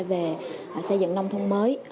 về xây dựng nông thôn mới